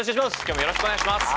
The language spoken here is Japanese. よろしくお願いします。